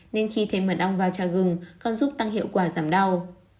nên khi thêm mật ong vào trà gừng còn giúp tăng hiệu quả giảm đau